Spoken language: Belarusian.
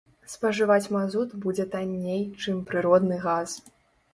Спажываць мазут будзе танней, чым прыродны газ.